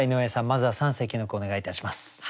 まずは三席の句お願いいたします。